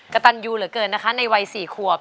กระตันยูเหลือเกินนะคะในวัย๔ขวบ